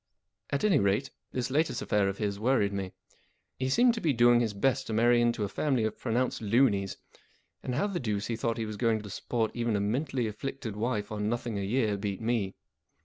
At any rate, this latest affair of his worried me. He seemed to be doing his best to marry into a family of pronounced loonies, and how the deuce he thought he was going to support even a mentally afflicted wife on nothing a year beat me.